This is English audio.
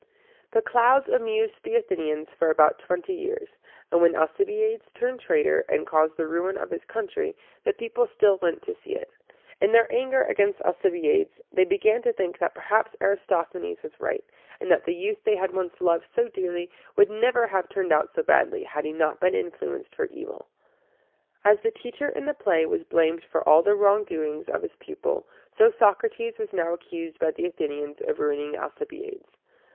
"The Clouds" amused the Athenians for about twenty years; and when Alcibiades turned traitor, and caused the ruin of his country, the people still went to see it. In their anger against Alcibiades, they began to think that perhaps Aristophanes was right, and that the youth they had once loved so dearly would never have turned out so badly had he not been influenced for evil. As the teacher in the play was blamed for all the wrongdoing of his pupil, so Socrates was now accused by the Athenians of ruining Alcibiades.